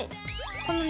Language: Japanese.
このね